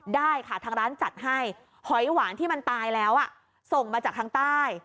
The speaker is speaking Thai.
ได้ค่ะทางร้านจัดให้หอยหวานที่มันตายแล้วส่งมาจากทางใต้